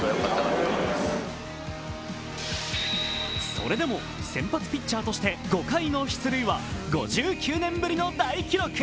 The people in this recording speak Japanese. それでも先発ピッチャーとして５回の出塁は５９年ぶりの大記録。